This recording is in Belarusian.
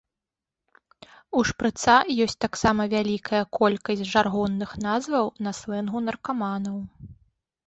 У шпрыца ёсць таксама вялікая колькасць жаргонных назваў на слэнгу наркаманаў.